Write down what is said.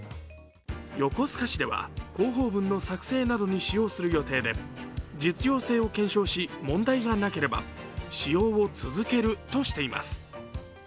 横須賀市では広報文の作成などに使用する予定で実用性を検証し、問題がなければ使用を続けるとしています。